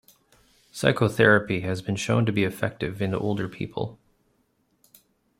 Psychotherapy has been shown to be effective in older people.